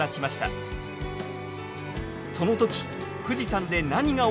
そのとき富士山で何が起きていたのか。